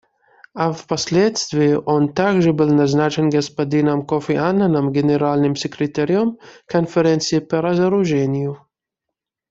А впоследствии он также был назначен господином Кофи Аннаном Генеральным секретарем Конференции по разоружению.